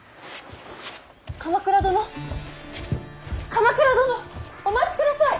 鎌倉殿！お待ちください！